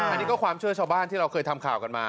อันนี้ก็ความเชื่อชาวบ้านที่เราเคยทำข่าวกันมา